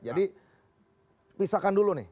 jadi pisahkan dulu nih